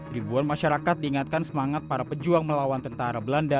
ribuan masyarakat diingatkan semangat para pejuang melawan tentara belanda